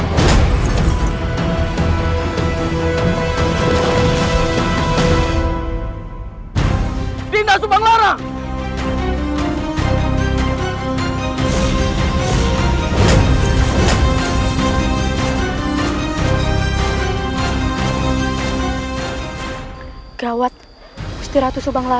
kanda tidak bisa menghadapi rai kenterimanik